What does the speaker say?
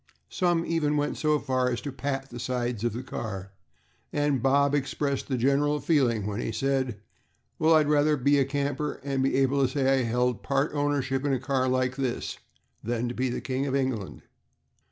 Some even went so far as to pat the sides of the car, and Bob expressed the general feeling when he said, "Well, I'd rather be a camper and be able to say I held part ownership in a car like this, than to be King of England."